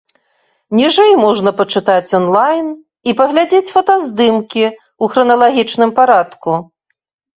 Ніжэй можна пачытаць онлайн і паглядзець фотаздымкі ў храналагічным парадку.